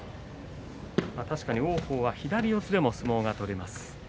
確かに王鵬は左四つでも相撲が取れます。